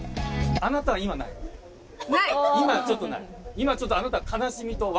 今ちょっとあなた。